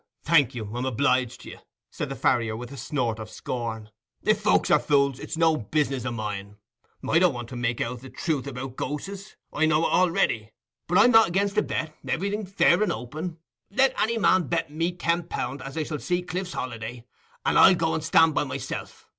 "Thank you! I'm obliged to you," said the farrier, with a snort of scorn. "If folks are fools, it's no business o' mine. I don't want to make out the truth about ghos'es: I know it a'ready. But I'm not against a bet—everything fair and open. Let any man bet me ten pound as I shall see Cliff's Holiday, and I'll go and stand by myself.